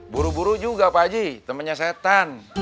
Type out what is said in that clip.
buru buru juga pak haji temannya setan